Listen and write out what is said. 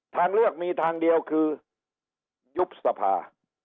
ทางเลือกมีทางเดียวคือยุบสภา